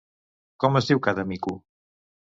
Com es diu cada mico?